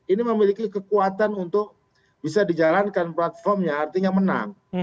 ini memiliki kekuatan untuk bisa dijalankan platformnya artinya menang